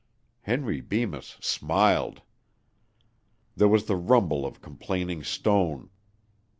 Henry Bemis smiled. There was the rumble of complaining stone.